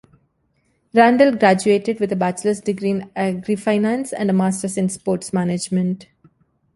Randle graduated with a bachelor's degree in agri-finance and a master's in sports management.